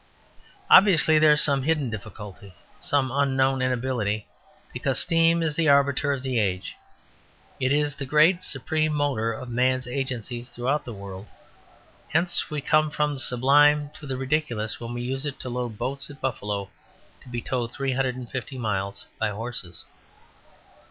Obviously there is some hidden difficulty, some unknown inability, because steam is the arbiter of the age, it is the great supreme motor of man's agencies throughout the world, hence we come from the sublime to the ridiculous when we use it to load boats at Buffalo, to be towed 350 miles by horses.